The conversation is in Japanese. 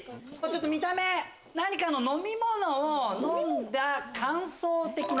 見た目何かの飲み物を飲んだ感想的な名前が。